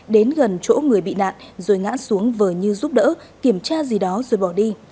đến gần chỗ người bị nạn rồi ngã xuống vờ như giúp đỡ kiểm tra gì đó rồi bỏ đi